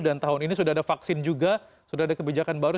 dan tahun ini sudah ada vaksin juga sudah ada kebijakan baru